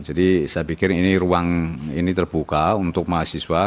jadi saya pikir ini ruang ini terbuka untuk mahasiswa